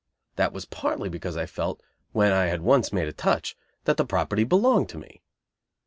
That was partly because I felt, when I had once made a touch, that the property belonged to me.